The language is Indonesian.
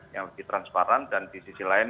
yang lebih transparan dan di sisi lain